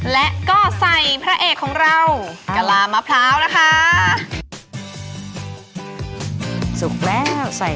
และก็ใส่พระเอกของเรากะลามะพร้าวนะคะ